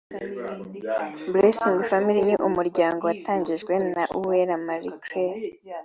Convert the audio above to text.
Blessings Family ni umuryango watangijwe na Uwera Marie Claire